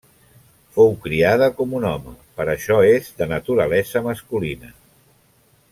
Fou criada com un home, per això és de naturalesa masculina.